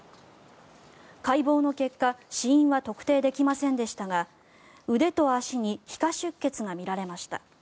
解剖の結果死因は特定できませんでしたが腕と足に皮下出血が見られました。